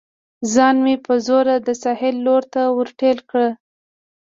ځان مې په زوره د ساحل لور ته ور ټېله کړ.